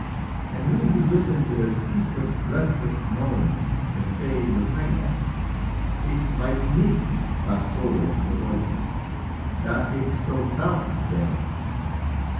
And we who listen to their ceaseless, restless moan can say with Heine: "Ich weiss nicht, was soll es bedeuten, _Dass ich so traurig bin.